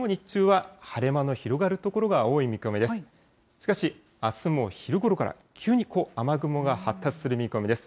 しかし、あすも昼ごろから急に雨雲が発達する見込みです。